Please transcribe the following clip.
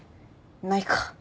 ないか。